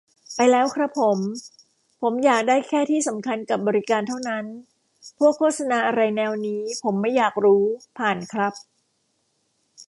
ไปแล้วครับผม ผมอยากได้แค่ที่สำคัญกับบริการเท่านั้น พวกโฆษณาอะไรแนวนี้ผมไม่อยากรู้ผ่าน ครับ